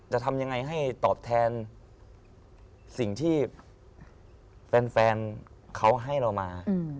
จะทำยังไงให้ตอบแทนสิ่งที่แฟนเขาให้เรามา